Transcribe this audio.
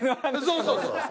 そうそうそう。